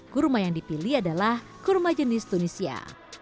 kurma yang dipilih adalah kurma jenis tunisia